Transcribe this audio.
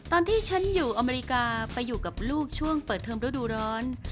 ตอนที่ฉันอยู่อเมริกาไปอยู่กับลูกช่วงเปิดเทอมฤดูร้อน